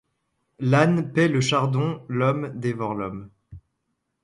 L’âne paît le chardon, l’homme dévore l’homme